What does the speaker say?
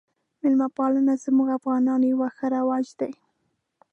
میلمه پالنه زموږ افغانانو یو ښه رواج دی